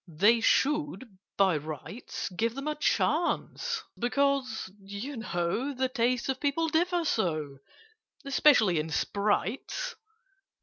"They should, by rights, Give them a chance—because, you know, The tastes of people differ so, Especially in Sprites."